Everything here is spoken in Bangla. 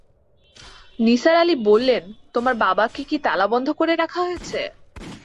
নিসার আলি বললেন, তোমার বাবাকে কি তালাবন্ধ করে রাখা হয়েছে?